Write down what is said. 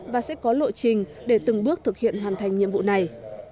và sẽ có lộ trình để từng bước thực hiện hoàn thành nhiệm vụ này